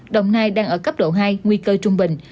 đồng nai đang ở cấp độ hai nguy cơ trung bình